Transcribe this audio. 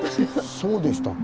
そうでしたっけ？